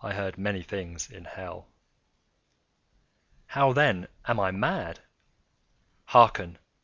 I heard many things in hell. How, then, am I mad? Hearken!